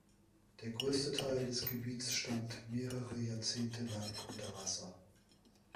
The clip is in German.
Der größte Teil des Gebiets stand mehrere Jahrzehnte lang unter Wasser.